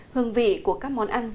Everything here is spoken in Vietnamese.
hương vị của các món ăn dân dã